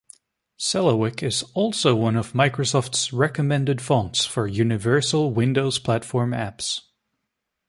Selawik is also one of Microsoft's recommended fonts for Universal Windows Platform apps.